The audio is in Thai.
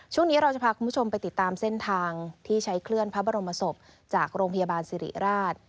ช่วงนี้เราจะพาคุณผู้ชมไปติดตามเส้นทางที่ใช้เคลื่อนพระบรมศพจากโรงพยาบาลสิริราช